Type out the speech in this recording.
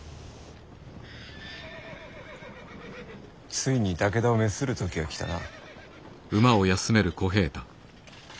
ついに武田を滅する時が来たな。